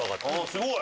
すごい。